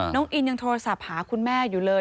น้องอินยังโทรศัพท์หาคุณแม่อยู่เลย